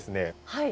はい。